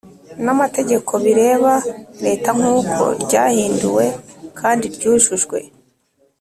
n amategeko bireba Leta nk uko ryahinduwe kandi ryujujwe